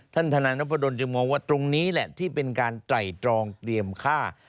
ท่านธนายนประดนกจะมองว่าตรงนี้แหละที่เป็นการไต่จองเตรียมค่า